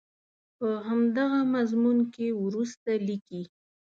په همدغه مضمون کې وروسته لیکي.